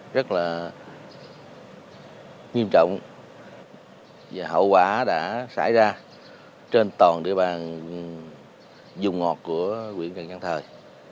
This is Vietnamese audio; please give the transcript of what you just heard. rất là nghiêm trọng và hậu quả đã xảy ra trên toàn địa bàn dùng ngọt của nguyễn trần văn thời